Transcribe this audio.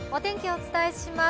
お伝えします。